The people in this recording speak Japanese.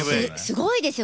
すごいですよ。